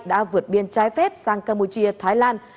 đã vượt biên trái phép sang campuchia thái lan